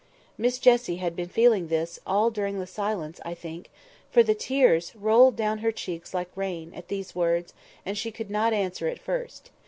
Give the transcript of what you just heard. Miss Jessie had been feeling this all during the silence, I think; for the tears rolled down her cheeks like rain, at these words, and she could not answer at first.